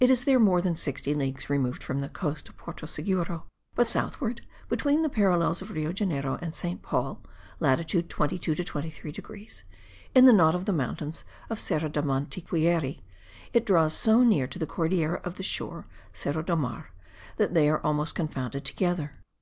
It is there more than 60 leagues removed from the coast of Porto Seguro; but southward, between the parallels of Rio Janeiro and Saint Paul (latitude 22 to 23 degrees), in the knot of the mountains of Serra da Mantiquiera, it draws so near to the Cordillera of the shore (Serra do Mar), that they are almost confounded together.